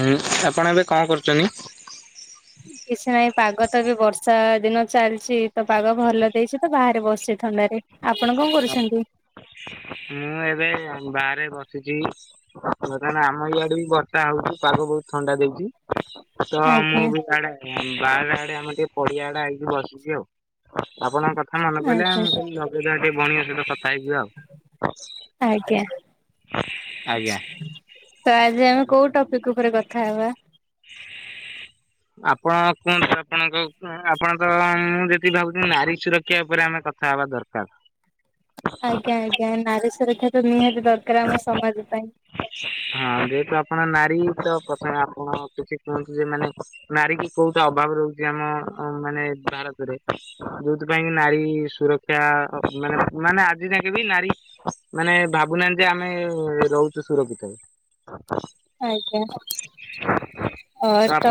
ଉଁ ଆପଣ ଏବେ କଣ କରୁଚନି? କିଛି ନାହିଁ ପାଗ ତ ବି ବର୍ଷା ଦିନ ଚାଲିଚି ତ ପାଗ ଭଲ ଦେଇଚି ତ ବାହାରେ ବସିଚି ଥଣ୍ଡାରେ। ଆପଣ କଣ କରୁଛନ୍ତି? ମୁଁ ଏବେ ଆମ୍ ବାହାରେ ବସିଚି। ବର୍ତ୍ତମାନ୍ ଆମ ଇଆଡ଼େ ବି ବର୍ଷା ହଉଚି ପାଗ ବହୁତ୍ ଥଣ୍ଡା ଦେଇଚି। ତ ମୁଁ ଆଜ୍ଞା ବି ଆଡ଼େ ବାହାର ଆଡ଼େ ଆମେ ଟିକେ ପଡ଼ିଆ ଆଡ଼େ ଆଇଚୁ ବସିଚୁ ଆଉ ଆପଣଙ୍କ କ କଥା ମନେପଇଲା ଆଜ୍ଞା ମୁଁ କହିଲି ଲଗେଇ ଦବା ଟିକେ ଭଉଣୀଙ୍କ ସହିତ କଥା ହେଇଯିବା ଆଉ। ଆଜ୍ଞା। ଆଜ୍ଞା। ତ ଆଜି ଆମେ କୋଉ ଟପିକ୍ ଉପରେ କଥାହବା? ଆପଣ କୁହନ୍ତୁ ଆପଣଙ୍କ ଆପଣ ତ ମୁଁ ଯଦି ଭାବୁଚି ନାରୀ ସୁରକ୍ଷା ଉପରେ ଆମେ କ ଥା ହବା ଦରକାର୍। ଆଜ୍ଞା ଆଜ୍ଞା ନାରୀ ସୁରକ୍ଷା ତ ନିହାତି ଦରକାର୍ ଆମ ସମାଜ ପାଇଁ। ହଁ ଯେହେତୁ ଆପଣ ନାରୀ ତ ପ୍ରଥମେ ଆପଣ କିଛି କୁହନ୍ତୁ ଯେ ମାନେ ନାରୀ କି କଉଟା ଅଭାବ ରହୁଚି ଆମ ମାନେ ଭାରତରେ? ଯଉଥିପାଇଁ କି ନାରୀ ସୁରକ୍ଷା ମାନେ ମାନେ ଆଜି ଯାଙ୍କେ ବି ନାରୀ ମାନେ ଭାବୁନାହାନ୍ତି ଯେ ଆମେ ରହୁଚୁ ସୁରକ୍ଷିତରେ। [inaudible] ଆଜ୍ଞା ଓ ତ ଆ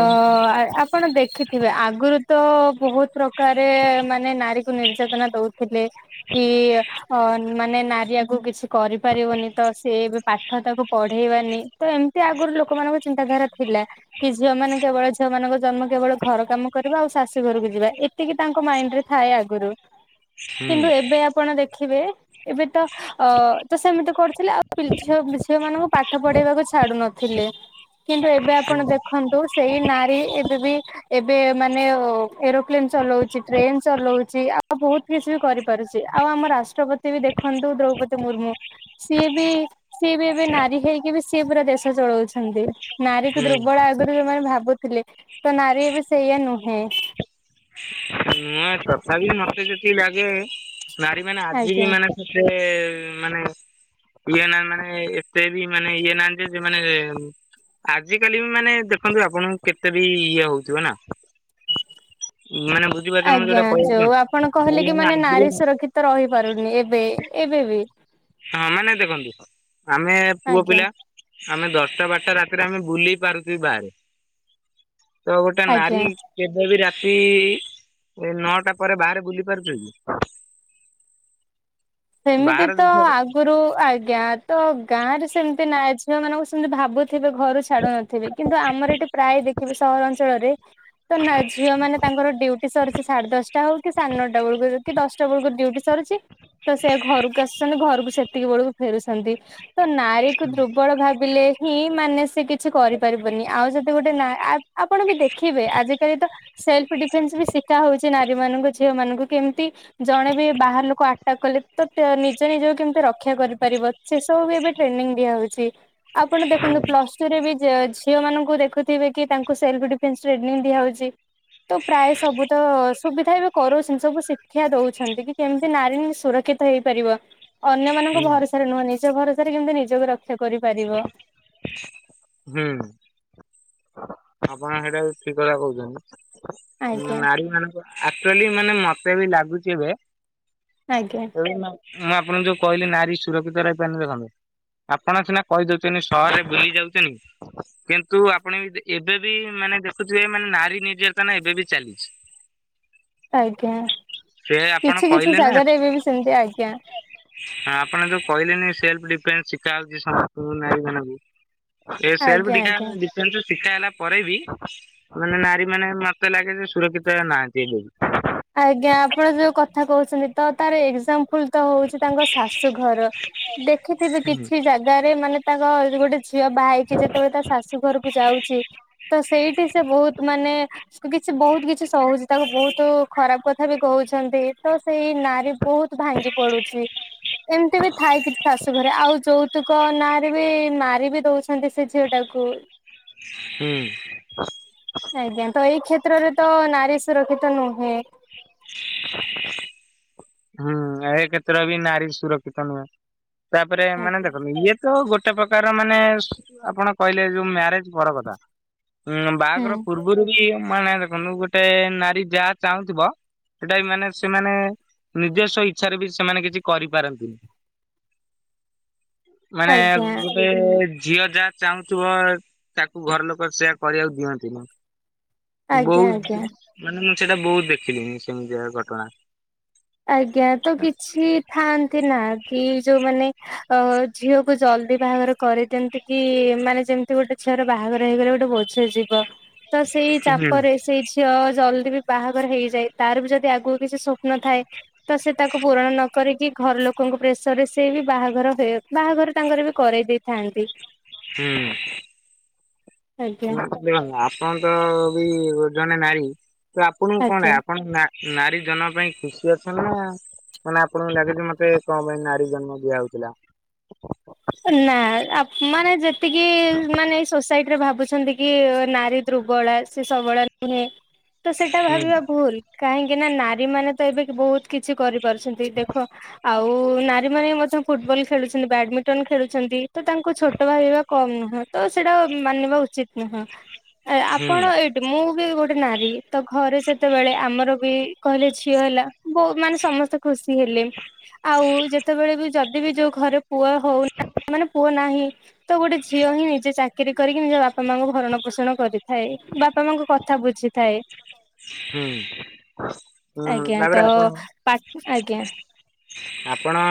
ଆପ୍ ଆପଣ ଦେଖିଥିବେ ଆଗୁରୁ ତ ବହୁତ୍ ପ୍ରକାରେ ମାନେ ନାରୀକୁ ନିର୍ଯାତନା ଦଉଥିଲେ କି ଅନ୍ ମାନେ ନାରୀ ଆଗକୁ କିଛି କରିପାରିବନି ତ ସିଏ ଏବେ ପାଠ ତାକୁ ପଢେଇବାନି ତ ଏମ୍ ଏମିତି ଆଗରୁ ଲୋକମାନଙ୍କ ଚିନ୍ତାଧାରା ଥିଲା କି ଝିଅ ମାନେ କେବଳ ଝିଅ ମାନେ ଝିଅ ମାନଙ୍କ ଜନ୍ମ କେବଳ ଘର କାମ କରିବା ଆଉ ଶାଶୁ ଘରକୁ ଯିବା ଏତିକି ତାଙ୍କ ମାଇଣ୍ଡ୍ ରେ ଥାଏ ଆଗୁରୁ। ହୁଁ କିନ୍ତୁ ଏବେ ଆପଣ ଦେଖିବେ ଏବେ ତ ଅ- ତ ସେମିତି କରୁଥିଲେ ଆଉ ପିଲ୍- ଝିଅ- ଝିଅ ମାନଙ୍କୁ ପାଠ ପଢେଇବାକୁ ଛ୍ ଥିଲେ କିନ୍ତୁ ଏବେ ଆପଣ ଦେଖ୍ ଖନ୍ତୁ ସେଇ ନାରୀ ଏବେ ବି ଏବେ ମାନେ ଏରୋପ୍ଲେନ୍ ଚଲଉଚି ଟ୍ରେନ ଚଲଉଚି ଆ ଆଉ ବହୁତ୍ କିଛି ବି କରିପାରୁଚି ଆଉ ଆମ ରାଷ୍ଟ୍ରପତି ବି ଦେଖନ୍ତୁ ଦ୍ରୌପଦୀ ମୁର୍ମୁ। ସିଏ ବି ସିଏ ବି ଏବେ ନାରୀ ହେଇକି ବି ସିଏ ପୁରା ଦେଶ ଚଳଉଛନ୍ତି ନାରୀକୁ ହୁଁ ଦୁର୍ବଳା ଯଉ ମାନେ ଭାବୁଥିଲେ ତ ନାରୀ ଏବେ ସେଇଆ ନୁହୁଁ। ନୁଆ ତଥାପି ମତେ ସେତିକି ଲାଗେ ନାରୀ ମାନେ ଆଜି ଆଜ୍ଞା ବି ମାନେ ସେ ମାନେ ଇଏ ନା ମାନେ ଏତେ ବି ମାନେ ଇଏ ନାହାନ୍ତି ଯେ ସେ ମାନେ ଆଜ କାଲି ମାନେ ଦେଖନ୍ତୁ ଆପଣଙ୍କୁ କେତେ ବି ଇଏ ହଉଥିବ ନା ଉ ମାନେ। ବୁଝିପାରୁଛନ୍ତି ମୁଁ ଆଜ୍ଞା ଯୋଉଟା କହିବାକୁ ଯୋଉ ଆପଣ କହିଲେ ଚାହୁଁଛି କି ମାନେ ଆଜି ବି ନାରୀ ସୁରକ୍ଷିତ ରହିପାରୁନି ଏବେ ଏବେ ବି। ହଁ ମାନେ ଦେଖନ୍ତୁ ଆମେ ପୁଅ ଆଜ୍ଞା ପିଲା। ଆମେ ଦଶଟା ବାରଟା ରାତିରେ ଆମେ ବୁଲେଇ ପାରୁଛିବୁ ବାହାରେ। ତ ଗୋଟିଏନାରୀ। ଆଜ୍ଞା କେବେ ବି ରାତି ନଅଟା ପରେ ବାହାରେ ବୁଲି ପାରୁଚି [inaudible] ସେମିତି ବାହାର ତ ଦେଶରେ ଆଗରୁ ଆଜ୍ଞା ତ ଗାଁ ରେ ସେମିତି ନାଇଯ ଝିଅ ମାନଙ୍କୁ ସେମିତି ଭାବୁ। ଥିବେ ଘରୁ ଛାଡୁ ନଥିବେ କିନ୍ତୁ ଆମର ଏଠି ପ୍ରାୟ ଦେଖିବେ ସହରା ଅଞ୍ଚଳରେ ତ ନା ଝିଅ ମାନ ତାଙ୍କର ଡ୍ୟୁଟି ସରିଛି ସାଢେ ଦଶଟା ହଉ କି ସାଢେ ନଅଟା ବେଳକୁ କି ଦଶଟାର। ଆଠଷ୍ଟ ଡ୍ୟୁଟି ସରିଛି। ସେ ଘରକୁ ଆସୁଛନ୍ତି ଘରକୁ ସେତିକି ବେଳକୁ ଫେରୁଛନ୍ତି ତ ନାରୀ କ ଦୁର୍ବଳ ଭାବିଲେ। ହିଁ ମାନେ ସେ କିଛି କରିପାରିବନି ଆଉ ଯତି ଗୋଟିଏନା ଆପଣ ବି ଦେଖିବେ ଆଜିକାଲି ତ ସେଲ୍ଫ ଡିଫେନ୍ସ ବି ଶିକଖା ହଉଛି ନାରୀ ମାନଙ୍କୁ ଝିଅ ମାନଙ୍କୁ କେମିତି ଜଣେ ବି ବାହାର ଲୋକ ଆ ତା କଲେ ତ ନିଜ ନିଜକୁ କେମିତି ରକ୍ଷା କରିପାରିବ ସେ ସବୁ ବି ଏବେ ଟ୍ରେନିଂ ଦିଆହଉଛି। ଆପଣ ଦେଖନ୍ତୁ ପ୍ଲସ ଟୁରେ ବି ଝିଅ ମାନଙ୍କୁ ଦେଖୁଥିବେ କି ତାଙ୍କୁ ସେଲ୍ଫ ଡିଫେନ୍ସ ଟ୍ରେନିଂ ଦିଆହେଉଛି। ତ ପ୍ରାୟ ସବୁ ତ ସୁବିଧା ବି କରୁ ସବୁ ଶିକ୍ଷା ଦଉଛନ୍ତି କି କେମିତି ନାରୀ। ସୁରକ୍ଷିତ ହେଇପାରିବ ହୁଁ ଅନ୍ୟମାନାନଙ୍କ ଭରସାରେ ନୁହେଁ ନିଜ ଭରସାରେ କେମିତି ନିଜକୁ ରକ୍ଷା କରିପାରିବୋ। ହୁଁ। ଆପଣ ସେଇଟା ବି ଠିକ୍ କଥା କହୁଛନ୍ତି ଆଜ୍ଞା। ନାରୀ ମାନଙ୍କ ଆକ୍ଚୁଆଲି ମାନେ ମତେ ବି ଲାଗୁଛି ଏବେ। ଆଜ୍ଞା। ମୁଁ ଆପଣଙ୍କୁ ଯୋଉ କହିଲି ନାରୀ ସୁରକ୍ଷିତ ରହିପାରନି ଦେଖନ୍ତୁ। ଆପଣ ସିନା କହିଦଉଛନ୍ତି ସହରରେ ବୁଲି ଯାଉଛନ୍ତି କିନ୍ତୁ ଆପଣ ବି। ଏବେ ବି ମାନେ ଦେଖୁଥିବେ ମାନେ ନାରୀ ନିର୍ଯାତନା ଏବେ ବି ଚାଲିଛି ଆଜ୍ଞା ସେ ଆପଣ କିଛି କିଛି କହିଲେ ଜାଗାରେ ଏବେ ବି ସେମିତି ଆଜ୍ଞା। ହଁ ଆପଣ ଯୋଉ କହିଲେନି ସେଲ୍ଫ ଡିଫେନ୍ସ ଶିଖା ହଉଛି ସମସ୍ତଙ୍କୁ ନାରୀ ମାନକୁ। ଏ ସେଲ୍ ଆଜ୍ଞା ଦେଖା ଆଜ୍ଞା। ଡିଫେନ୍ସ। ଶିଖା ହେଲା ପରେ ବି ମାନେ ନାରୀ ମାନେ ମତେ ଲାଗେ ଯେ ସୁରକ୍ଷିତ ନାହାନ୍ତି ଏବେ। ଆଜ୍ଞା ଆପଣ ଯୋଉ କଥା କହୁଛନ୍ତି ତ ତାର ଏଜ୍ଜାମ୍ପୁଲ ତ ହଉଛି ତାଙ୍କ ଶାଶୁଘର ଦେଖିଥିବେ ହୁଁ କିଛି ଜାଗାରେ ମାନେ ତାଙ୍କ ଗୋଟେ ଝିଅ ବାହା ହେଇକି ଯେତେବେଳେ ତା ଶାଶୁ ଘରକୁ ଯାଉଛି ତ ସେଇଠି ସେ ବହୁତ ମାନେ କିଛି ବହୁତ କିଛି ସହୁଛି ତାକୁ ବହୁତୁ ଖରାପ କଥା ବି କହୁଛନ୍ତି ତ ସେଇ ନାରୀ ବହୁତ ଭାଙ୍ଗି ପଡୁଛି। ଏମିତି ବି ଥାଏ କିଛି ଶାଶୁଘରେ ଆଉ ଯୌତୁକ ନାଁରେ ବି ମାରି ବିି ଦଉଛି ଛନ୍ତି ସେ ଝିଅଟାକୁ। ହୁଁ। ଆଜ୍ଞା ତ ଏଇ କ୍ଷେତ୍ରରେ ତ ନାରୀ ସୁରକ୍ଷିତ ନୁହେଁ। ହୁଁ ଏ କ୍ଷେତ୍ର ବି ନାରୀ ସୁରକ୍ଷିତ ନୁହେଁ ତାପରେ ମାନେ ଆଜ୍ଞା ଦେଖନ୍ତୁ ଇଏ ତ ଗୋଟେ ପ୍ରକାର ମାନେ ସ ଆପଣ କହିଲେ ଯୋଉ ମ୍ୟାରେଜ ପର କଥା। ହୁଁ ବାହାଘର ପୂର୍ବରୁ ବି ମାନେ ଦେଖନ୍ତୁ ଗୋଟିଏ ନାରୀ ଯାହା ଚାହୁଁଥିବ ସେଟା ବି ମାନେ ସେମାନେ ନିଜସ୍ୱ ଇଚ୍ଛାରେ ବି ସେମାନେ କିଛି କରିପାରନ୍ତିନି। ମାନେ ଆଜ୍ଞା। ଗୁ ସେ ଝିଅ ଯାହା ଚାହୁଁଥିବ ତାକୁ ଘର ଲୋକ ସେୟା କରିବାକୁ ଦିଅନ୍ତି ନି। ଆଜ୍ଞା ବହୁତ ଆଜ୍ଞା। ମାନେ ମୁଁ ସେଇଟା ବହୁତ ଦେଖିଲିଣି ସେମିତିୟା ଘଟଣା। ଆଜ୍ଞା ତ କିଛି ଥାଆନ୍ତି ନା କି ଯୋଉମାନେ ଅ ଝିଅକୁ ଜଲ୍ଦି ବାହାଘର କରିଦିଅନ୍ତି କି ମାନେ ଯେମିତି ଗୋଟେ ଛିଅର ବାହାଘର ହେଇଗଲେ ଗୋଟେ ବୋଝ ଯିବ। ତ ସେଇ ହୁଁ ଚାପରେ ସେଇ ଝି ଝିଅ ଜଲ୍ଦି ବି ବାହାଘର ହେଇଯାଏ ତାର ବି ଯଦି ଆଗକୁ କିଛି ସ୍ୱପ୍ନ ଥାଏ। ତ ସେ ତାକୁ ପୂରଣ ନ କରିକି ଘର ଲୋକଙ୍କୁ ପ୍ରେସର ରେ ସେ ବି ବାହାଘର ହେଉ ବାହାଘର ତାଙ୍କର ବି କରେଇ ଦେଇଥାନ୍ତି। ହୁଁ। ଆଜ୍ଞା ଉଁ ଦେଖ ଆପଣ ତ ବି ଗୋ ଜଣେ ନାରୀ ତ ଆପଣଙ୍କୁ କଣ ନାଗେ ଆଜ୍ଞା। ଆପଣ ନା ନାରୀ ଜନମ ପାଇଁ ଖୁସି ଅଛ ନା? ମାନେ ଆପଣଙ୍କୁ ଲାଗେଜେ ମତେ କଣ ପାଇଁ ନାରୀ ଜନ୍ମ ଦିଆ ହଉଥିଲା। ନା ଆପ ମାନେ ଯେତିକି ମାନେ ଏଇ ସୋସାଇଟି ରେ ଭାବୁ ଅଛନ୍ତି କି ନାରୀ ଦୃର୍ବଳା ସେ ସବଳା ନୁହେଁ ତ ସେଟା ହୁଁ ଭାବିବା ଭୁଲ। କାହିଁକି ନା ନାରୀ ମାନେ ତ ଏବେ କି ବହୁତ କିଛି କରିପାରୁଛନ୍ତି ଦେଖ ଆଉ ନାରୀ ମାନେବି ମଧ୍ୟ ଫୁଟବଲ ଖେଳୁଛନ୍ତି ବ୍ୟାଡମି ଟନ୍ ଖେଳୁଛନ୍ତି ତ ତାଙ୍କୁ ଛୋଟ ଭାବିବା କମ୍ ନୁହଁ ତ ସେଇଟା ମାନିବା ଉଚିତ ନୁହଁ। ଆପଣ ହୁଁ। ଏଇଠି ମୁଁ ବି ଗୋଟେ ନାରୀ ତ ଘରେ ଯେତେବେଳେ ଆମର ବି କହିଲେ ଝିଅ ହେଲା ବହୁ ମାନେ ସମସ୍ତେ ଖୁସି ହେଲେ ଆଉ ଯେତେବେଳେ ବି ଯଦି ବି ଯୋଉ ଘରେ ପୁଅ ହଉ ମାନେ ପୁଅ ନାହିଁ ତ ଗୋଟେ ଝିଅ ହିଁ ନିଜେ ଚା କିରି କରିକି ନିଜ ବାପା ମାଙ୍କୁ ଭରଣ ପୋଷଣ କରିଥାଏ ବାପା ମାଙ୍କ କଥା ବୁଝିଥାଏ। ହୁଁ ହୁଁ ଆଜ୍ଞା ତାପରେ ତ ଆପଣ ପା ଆଜ୍ଞା। ଆପଣ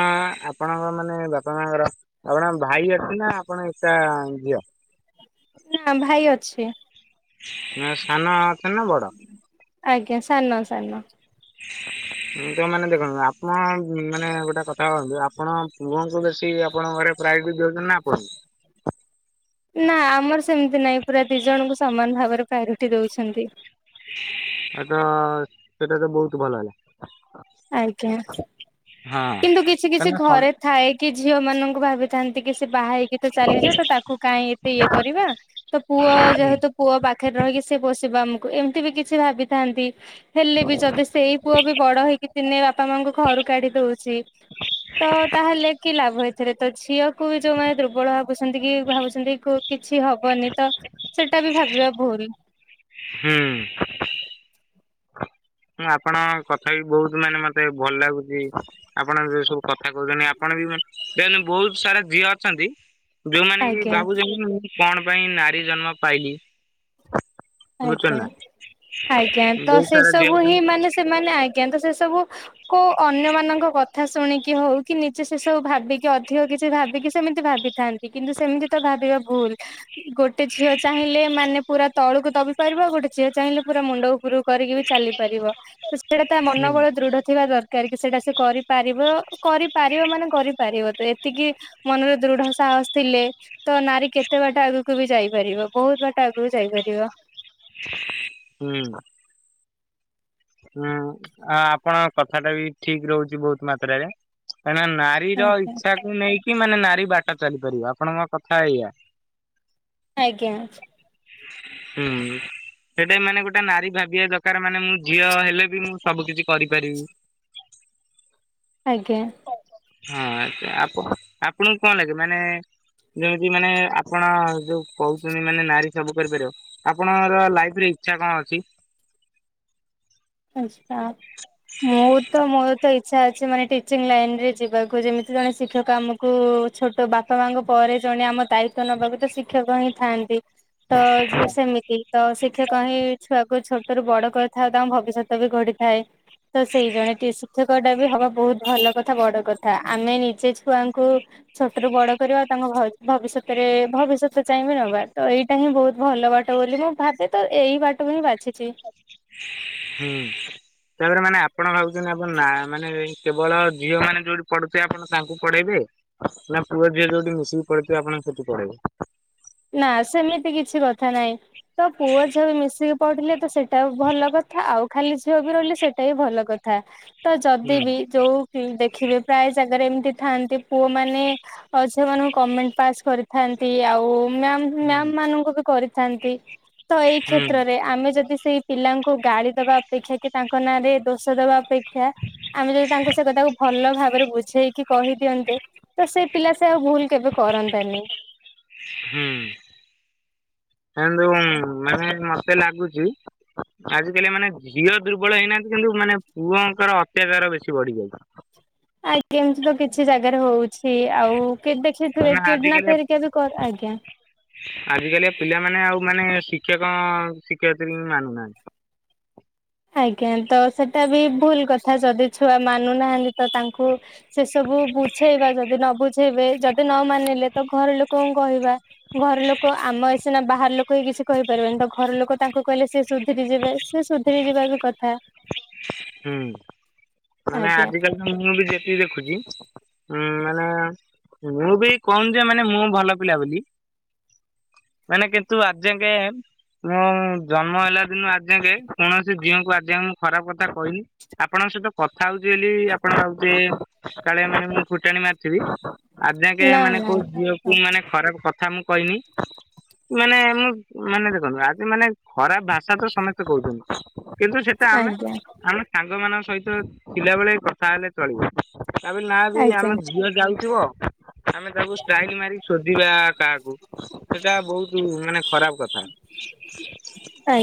ଆପଣଙ୍କ ମାନେ ବାପା ମାଙ୍କର କଣ ଭାଇ ଅଛି ନା ଆପଣ ଏକା ଝିଅ। ନା ଭାଇ ଅଛି। ନାଁ ସାନ ଅଛି ନା ବଡ? ଆଜ୍ଞା ସାନ ସାନ। [inaudible] ତ ମାନେ ଦେଖନ୍ତୁ, ଆପଣ ମାନେ ଗୋଟେ କଥା ଭାବନ୍ତୁ, ଆପଣ ପୁଅଙ୍କୁ ବେଶୀ ଆପଣଙ୍କ ଘରେ ପ୍ରାଓରିଟି ଦେଉଛନ୍ତି ନା ଆପଣଙ୍କୁ। ନା ଆମର ସେମିତି ନାହିଁ, ପୁରା ଦି ଜଣଙ୍କୁ ସମାନ ଭାବରେ ପ୍ରାୟୋରିଟି ଦଉଛନ୍ତି। ଏ ତ ସେଟା ତ ବହୁତ ଭଲ ହେଲା। ଆଜ୍ଞା ହଁ କିନ୍ତୁ କିଛି କିଛି କାରଣ ସମ ଘରେ ଥାଏ, କି ଝିଅ ମାନଙ୍କୁ ଭାବିଥାନ୍ତି କି ସେ ବାହା ହେକି କିଏତ ଚାଲିଯବ ତ, ତାକୁ କାଇଁ ଏତେ ଇଏ କରିବା ତ ପୁଅ ଯେହେତୁ ପୁଅ ପାଖରେ ରହିକି ସେ ପୋସିବ ଆମକୁ, ଏମିତି ବି କିଛି ଭାବିଥାନ୍ତି। ହେଲେ ବି ଯଦି ସେଇ ପୁଅ ବି ବଡ ହେଇକି ଦିନେ ବାପା ମାଙ୍କୁ ଘରୁ କାଢି ଦଉଛି! ଛି ତ ତାହେଲେ କି ଲାଭ ଏଥେରେ ତ ଝିଅକୁ ଯୋଉ ମାନେ ଦୁର୍ବଳ ଭାବ ଭାବୁଛନ୍ତି କି ଭାବୁଛନ୍ତି କ କିଛି ହବନି ତ ସେଟା ବି ଭାବିବା ଭୁଲ। ହୁଁ ହଁ ଆପଣ କଥା ବି ବହୁତ ମାନେ ମତେ ଭଲ ଲାଗୁଛି। ଆପଣ ଏସବୁ କଥା କହୁଛନ୍ତି ଆପଣ ବି ମାନେ ଦେନେ ବହୁତ ସାରା ଝିଅ ଅଛନ୍ତି ଯୋଉମାନେ କି ଆଜ୍ଞା ଭାବୁଛନ୍ତି ମୁଁ କଣ ପାଇଁ ନାରୀ ଜନ୍ମ ପାଇଲି। ଆଜ୍ଞା, ବୁଝୁଛନ୍ତି ନା ଆଜ୍ଞା ତ ବହୁତ ସେ ସାରା ଝିଅ ସବୁ ହିଁ ଅଛନ୍ତି ମାନେ ସେମାନେ ଆଜ୍ଞା ତ ସେ ସବୁ କୁ ଅନ୍ୟ ମାନଙ୍କ କଥା ଶୁଣିକି ହଉ, କି ନିଜେ ସେ ସବୁ ଭାବିକି ଅଧିକ କିଛି ଭାବିକି ସେମିତି ଭାବି ଥାନ୍ତି, କିନ୍ତୁ ସେମିତି ତ ଭାବିବା ଭୁଲ, ଗୋଟେ ଝିଅ ଚାହିଁଲେ ମାନେ ପୁରା ତଳକୁ ଦବି ପାରିବ, ଗୋଟେ ଝିଅ ଚାହିଁଲେ ପୁରା ମୁଣ୍ଡ ଉପରୁକୁ କରିକି ବି ଚାଲିପାରିବ। ସେଇଟା ତା ହୁଁ ମନୋବଳ ଦୃଢ ଥିବା ଦରକାର। କ୍ଯାରିକି ସେଇଟା ସେ କରିପାରିବ କରିପାରିବ ମାନେ କରିପାରିବ ତ ଏତିକି ମନରେ ଦୃଢ ସାହସ ଥିଲେ ତ ନାରୀ କେତେ ବାଟ ଆଗକୁ ବି ଯାଇପାରିବ, ବହୁତ ବାଟ ଆଗକୁ ଯାଇପାରିବ। ହୁଁ ହୁଁ ଆ ଆପଣଙ୍କ କଥାଟା ବି ଠିକ୍ ରହୁଛି ବହୁତ ମାତ୍ରାରେ କାହିଁକି ନା ନାକ ସିର ଆଜ୍ଞା ଇଚ୍ଛା କୁ ନେଇକି ମାନେ ନାରୀ ବାଟ ଚାଲିପାରିବ ଆପଣଙ୍କ କଥା ଏଇଆ? ଆଜ୍ଞା ହୁଁ, ସେଇଟା ମାନେ ଗୋଟେ ନାରୀ ଭାବିବା ଦରକାର ମାନେ ମୁଁ ଝିଅ ହେଲେ ବି ମୁଁ ସବୁ କିଛି କରିପାରିବି ଆଜ୍ଞା। ହଁ, ଆଛା ଆପଣ ଆପଣଙ୍କୁ କଣ ଲାଗେ ମାନେ ଯେମିତି ମାନେ ଆପଣ ଯୋଉ କହୁଛନ୍ତି ମାନେ ନାରୀ ସବୁ କରିପାରିବ, ଆପଣଙ୍କର ଲାଇଫ୍ ରେ ଇଚ୍ଛା କଣ ଅଛି? ଆଛା ମୁଁ ତ ମୋର ତ ଇଚ୍ଛା ଅଛି ମାନେ ଟିଚିଂ ଲାଇନ୍ ରେ ଯିବାକୁ ଯେମିତି ଜଣେ ଶିକ୍ଷକ କାମକୁ କୁ, ଛୋଟ ବାପା ମାଙ୍କ ପରେ ଜଣେ ଆମ ଦାଇତ୍ୱ ନବାକୁ ତ ଶିକ୍ଷକ ହିଁ ଥାଆନ୍ତି ତ, ଯେ ସେମିତି ତ ଶିକ୍ଷକ ହିଁ ଛୁଆକୁ ଛୋଟ ରୁ ବଡ କରିଥାଏ। ତାଙ୍କ ଭବି ଭବିଷ୍ୟତ ବି ଗଡିଥାଏ ତ ସେଇ ଜଣେ କି ଶିକ୍ଷକ ଟା ବି ହବା ବହୁତ ଭଲ କଥା ବଡ କଥା ଆମେ ନିଜେ ଛୁଆଙ୍କୁ ଛୋଟ ରୁ ବଡ କରିବା। ଆଉ ତାଙ୍କ ଭ ଭବିଷ୍ୟତରେ ଭବିଷ୍ୟତ ଚାହିଁବା ନବା ତ ଏଇ ଏଇଟା ହିଁ ବହୁତ ଭଲ ବାଟ। ବୋଲି ମୁଁ ଭାବେ ତ ଏଇ ବାଟକୁ ହିଁ ବାଚିଛି ହୁଁ ତାପରେ ମାନେ ଆପଣ ଭାବୁଛନ୍ତି। ଆପଣ ନା ମାନେ କେବଳ ଝିଅ ମାନେ ଯୋଉଠି ପଢୁିଥିବେ ଆପଣ ତାଙ୍କୁ ପଢେଇବେ? ନା ପୁଅ ଝିଅ ଯୋଉଠି ମିଶିକି ପଢିଇଥିବେ ଆପଣ ସେଠି ପଢେଇବେ ନାଁ ସେମିତି କିଛି କଥା ନାଇଁ ତ ପୁଅ ଝିଅ ବି ମିଶିକି ପଢିଲେ ତ ସେଇଟା ଭଲ କଥା ଆଉ ଖାଲି ଝିଅ ବି ରହିଲେ ସେଇଟା ବି ଭଲ କଥା। ଥା ତ ଯଦି ହୁଁ ବି ଯୋଉ ଦେଖିବେ ପ୍ରାୟ ଜାଗାରେ ଏମିତି ଥାଆନ୍ତି ପୁଅମାନେ ଅ ଝିଅମାନଙ୍କୁ କମେଣ୍ଟ ପାସ୍ କରିଥାନ୍ତି ଆଉ ମ୍ୟାମ୍ ମ୍ୟାମ୍ ମାନଙ୍କୁ ବି କରିଥାନ୍ତି ତ ଏଇ ହୁଁ କ୍ଷେତ୍ରରେ ଆମେ ଯଦି ସେଇ ପିଲାଙ୍କୁ ଗାଳି ଦବା ଅପେକ୍ଷା କି ତାଙ୍କ ନାଁରେ ଦୋଷ ଦବା ଅପେକ୍ଷା ଖିଆ ଆମେ ଯଦି ତାଙ୍କୁ ସେ କଥାକୁ ଭଲ ଭାବରେ ବୁଝେଇ କି କହିଦିଅନ୍ତେ ତ ସେ ପିଲା ସେ ଆଉ ଭୁଲ୍ କେବେ କରନ୍ତାନି। ହୁଁ ହିଲୁମ୍ ମାନେ ମତେ ଲାଗୁଛି ଆଜି କାଲି ମାନେ ଝିଅ ଦୁର୍ବଳ ହେଇନାହାନ୍ତି କିନ୍ତୁ ମାନେ ପୁଅଙ୍କର ଅତ୍ୟାଚାର ବେଶୀ ବଢିଯାଇଛି? ଆଜ୍ଞା ଏମିତି ତ କିଛି ଜାଗାରେ ହଉଛି ହି ଆଉ କେବେଚି ଥିବେ କାହିଁକିନା କିଡନାପ୍ ଫେରିକା ବି ଆଜ୍ଞା ଆଜି କାଲି ଆ ପିଲାମାନୋନେ ଆଉ ମାନେ ଶିକ୍ଷକ ଶିକ୍ଷୟିତ୍ରୀ କୁ ମାନୁନାହାନ୍ତି। ଆଜ୍ଞା ତ ସେଟା ବି ଭୁଲ କଥା ଯଦି ଛୁଆ ମାନୁନାହାନ୍ତି ତ ତାଙ୍କୁ ସେ ସବୁ ବୁଝେଇବା ଯଦି ନ ବୁଝେଇବେ ଯଦି ନ ମାନିଲେ ତ ଘର ଲୋକଙ୍କୁ କହିବା। ଘର ଲୋକ ଆମ ଏ ସିନା ବାହାର ଲୋକ ହି କିଛି କହିପାରିବେନି ତ ଘର ଲୋକ ତାଙ୍କୁ କହିଲେ ସି ସୁଧୁରରି ଯିବେ, ସେ ସୁ ଧୁରି ଯିବା ବି କଥା। ହୁଁ ମାନେ ଆଜ୍ଞା ଆଜିିକାଲି ମୁଁ ବି ଯେତିକି ଦେଖୁଛି ହୁଁ ମାନେ ମୁଁ ବି କହୁନି ଯେ ମାନେ ମୁଁ ବି ଭଲ ପିଲା ବୋଲି। ମାନେ କିନ୍ତୁ ଆଜିଯାଙ୍କେ ମୁଁ ଜନ୍ମ ହେଲା ଦିନ ଆଜିଯାଙ୍କେ କୌଣସି ଝିଅଙ୍କୁ ଆଜି ମୁଁ ଖରାପ କଥା କହିନି। ଆପଣଙ୍କ ସହିତ କଥା ହଉଛି ବୋଲି ଆପଣ ଭାବୁଥିବେ କାଳେ ମାନେ ମୁଁ ଫୁଟାଣି ମାରିଥିବି। ଆଜି ଯାକେ ନା ମାନେ ନା କୋଉ ଆଜ୍ଞା ଝିଅକୁ ମାନେ ଖରାପ୍ କଥା ମୁଁ କହିନି ମାନେ ମୁଁ ମାନେ ଦେଖନ୍ତୁ ଆଜି ମାନେ ଖରାପ୍ ଭାଷା ତ ସମସ୍ତେ କହୁଛନ୍ତି କିନ୍ତୁ ସେଟା ଆମେ ଆଜ୍ଞା। ଆମେ ସାଙ୍ଗ ମାନଙ୍କ ସହିତ ଥିଲାବେଳେ କଥା ହେଲେ ଚଳିବ ତାବେଲି ନା ବି ଆଜ୍ଞା ଆମେ ଝିଅ ଯାଉଥିବ ଆମେ ସବୁ ଷ୍ଟ୍ରାଇଲ୍ ମାରିକି ଶୋଧିବା କାହାକୁ ସେଟା ବହୁତ୍ ମାନେ ଖରାପ କଥା [inaudible]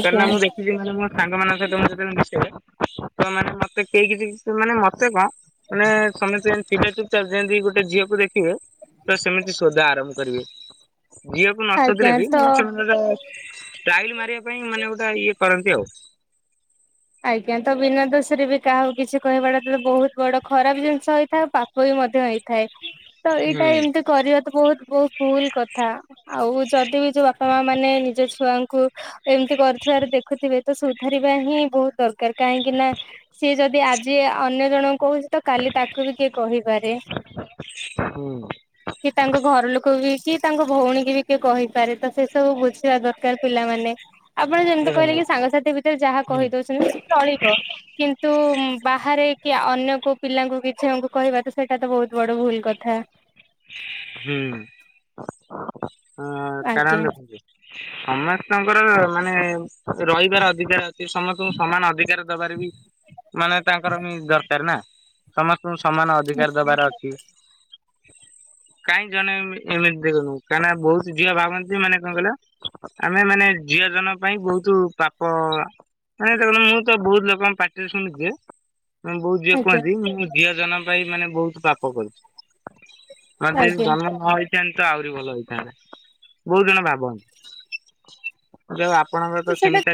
କାହିଁକି ନା ମୁଁ ମୋ ସାଙ୍ଗ ମାନଙ୍କ ସହିତ ମୁଁ ଯେତେବେଳେ ମିଶେ ସେମାନେ ମତେ କେହି କିଛି ମାନେ ମତେ କଣ ମାନେ ସମସ୍ତେ ଥିବେ ଚୁପ ଚାପ ଯେମିତି ଗୋଟେ ଝିଅକୁ ଦେଖିବେ ତ ସେମିତି ଶଧା ଆରମ୍ଭ କରିବେ ଝିଅକୁ ନ ଆଜ୍ଞା ଶୁଧିଲେ ବି ମାନେ ତ ସେମାନେ ଗ ଟାଇଲ ମାରିବା ପାଇଁ ମାନେ ଗୋଟେ ଇଏ କରନ୍ତି ଆଉ ଆଜ୍ଞା ତ ବିନା ଦୋଷରେ ବି କାହାକୁ କିଛି କହିବାଟା ତ ବହୁତ ବଡ ଖରାପ ଜିନିଷ ହେଇଥାଉ ପା ପ ହୋଇ ମଧ୍ୟ ହେଇଥାଏ ତ ଏଇଟା ଏମିତି କରିବା ତ ବହୁତ ବହୁତ ଭୁଲ କଥା ଆଉ ଯଦି ବି ଯୋଉ ବାପା ମା ମାନେ ନିଜ ଛୁଆଙ୍କୁ ଏମିତି କରୁଥିବାର ଦେଖୁଥିବେ ତ ସୁଧାରିବା ହିଁ ବହୁତ ଦରକାର କାହିଁକି ନା ସିଏ ଯଦି ଆଜି ଅନ୍ୟ ଜଣଙ୍କୁ କହୁଚି ତ କାଲି ତାକୁ ବି କିଏ କହି ପାରେ ହୁଁ କି ତାଙ୍କ ଘର ଲୋକ ବି କି ତାଙ୍କ ଭଉଣୀ କି ବି କିଏ କହିପାରେ ତ ସେ ସବୁ ବୁଝିବା ଦରକାର ପିଲାମାନେ ଆପଣ ଯେମିତି କହିଲେ କି ସାଙ୍ଗସାଥି ଭିତରେ ଯାହା କହି ଦଉଛନ୍ତି ଚଳିବ କିନ୍ତୁ ବାହାରେ କି ଅନ୍ୟ କୋଉ ପିଲାଙ୍କୁ କିଛିମଙ୍କୁ କହିବା ତ ସେଇଟା ତ ବହୁତ ବଡ ଭୁଲ କଥା ହୁଁ ଆଜ୍ଞା। କାରଣ ଦେଖନ୍ତୁ ସମସ୍ତଙ୍କର ମାନେ ରହିବାର ଅଧିକାର ଅଛି ସମସ୍ତଙ୍କୁ ସମାନ ଅଧିକାର ଦବାରେ ବି ମାନେ ତାଙ୍କର ଦରକାର ର ନା ସମସ୍ତଙ୍କୁ ସମାନ ଅଧିକାର ଆଜ୍ଞା ଦବାର ଅଛି କାଇଁ ଜଣେ ଏମି ଏମିତି ଦିଲ୍ ହଉ କାଇଁନା ବହୁତ୍ ଝିଅ ଭାବନ୍ତିଯେ, ମାନେ କଁ କଇଲ? ଆମେ ମାନେ ଝିଅ ଜନମ ପାଇଁ ବହୁତ୍ ପାପ ମାନେ ଦେଖନ୍ତୁ ମୁଁ ତ ବୋହୁତ୍ ଲୋକଙ୍କ ପାଟିରେ ଶୁଣିଚିଯେ ମୁଁ ବହୁତ୍ ଝିଅ ଆଜ୍ଞା। କୁହନ୍ତି ମୁଁ ଝିଅ ଜନମ ପାଇଚି ମାନେ ବହୁତ୍ ପାପ କରିଛି। ମା ଯେ ଆଜ୍ଞା ଜନ୍ମଧାରୀ। ଅତ୍ୟାନ୍ତ ଆହୁରି ଭଲ ହେଇଥାନ୍ତା ବୋହୁତ୍ ଜଣ ଭାବନ୍ତି। ଯଉ ଆପଣଙ୍କର ତ ସେମିତି